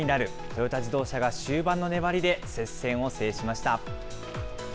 トヨタ自動車が終盤の粘りで接戦を制しました。